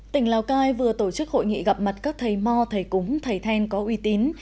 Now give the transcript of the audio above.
tỉnh lào cai vừa tổ chức hội nghị gặp mặt các thầy mò thầy cúng thầy then có uy tín